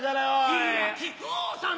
いや木久扇さん